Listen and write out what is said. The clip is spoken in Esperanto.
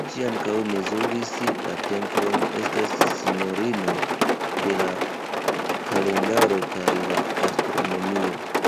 Ŝi ankaŭ mezuris la tempon, estas Sinjorino de la Kalendaro kaj la Astronomio.